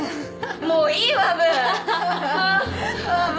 もういいわぶ！